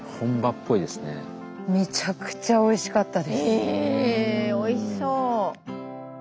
ええおいしそう。